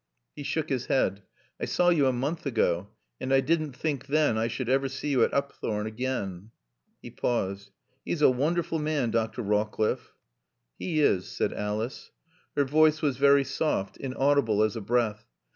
He shook his head. "I saw yo' a moonth ago, and I didn't think then I sud aver see yo' at Oopthorne again." He paused. "'E's a woonderful maan, Dr. Rawcliffe." "He is," said Alice. Her voice was very soft, inaudible as a breath.